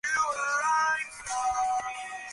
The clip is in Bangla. ঐ না পদশব্দ শুনা গেল?